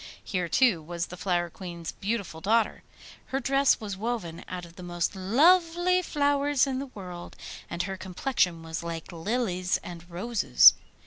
Here, too, was the Flower Queen's beautiful daughter. Her dress was woven out of the most lovely flowers in the world, and her complexion was like lilies and roses.